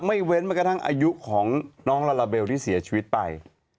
เว้นมากระทั่งอายุของน้องลาลาเบลที่เสียชีวิตไป